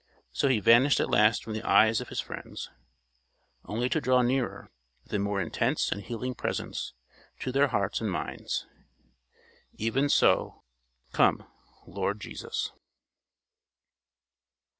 So he vanished at last from the eyes of his friends, only to draw nearer with a more intense and healing presence to their hearts and minds. Even so come, Lord Jesus.